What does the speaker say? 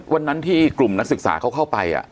วันนั้นที่กลุ่มนักศึกษาเขาเข้าไป